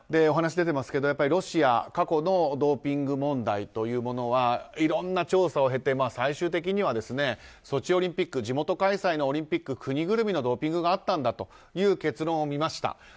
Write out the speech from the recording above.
お話出ていますがロシア、過去のドーピング問題はいろんな調査を経て最終的にはソチオリンピック地元開催のオリンピック国ぐるみのドーピングがあったんだと結論を見ました。